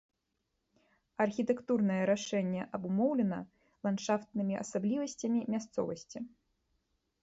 Архітэктурнае рашэнне абумоўлена ландшафтнымі асаблівасцямі мясцовасці.